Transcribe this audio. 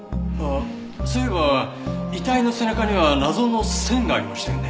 そういえば遺体の背中には謎の線がありましたよね。